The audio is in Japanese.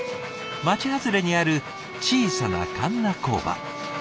町外れにある小さなかんな工場。